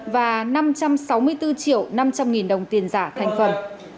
và năm trăm sáu mươi bốn triệu năm trăm linh nghìn đồng tiền giả thành phẩm